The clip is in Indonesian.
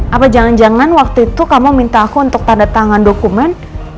apa jangan jangan waktu itu kamu minta aku untuk tanda tangan dokumen